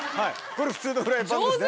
これ普通のフライパンですね。